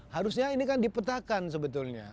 harusnya ini kan dipetakan sebetulnya